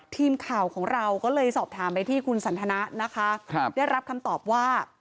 ทีมข่าวของเราก็เลยสอบถามไปที่คุณสันทนะนะคะครับได้รับคำตอบว่า